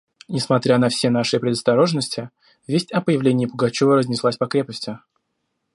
Несмотря на все наши предосторожности, весть о появлении Пугачева разнеслась по крепости.